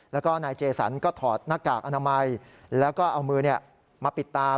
แล้วก็นายเจสันก็ถอดหน้ากากอนามัยแล้วก็เอามือมาปิดตา